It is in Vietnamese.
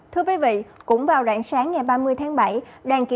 thưa quý vị cũng vào rạng sáng ngày ba mươi tháng bảy